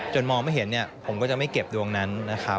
มองไม่เห็นผมก็จะไม่เก็บดวงนั้นนะครับ